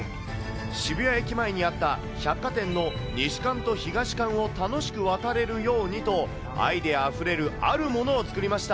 渋谷駅前にあった百貨店の西館と東館を楽しく渡れるようにと、アイデアあふれるあるものを作りました。